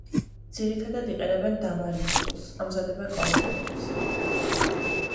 ძირითადად იყენებენ დამარილებულს, ამზადებენ კონსერვებს.